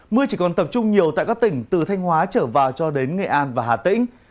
mưa chỉ còn tập trung nhiều tại các tỉnh từ thanh hóa trở vào cho đến nghệ an và hà tĩnh